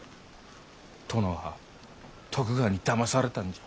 殿は徳川にだまされたんじゃ。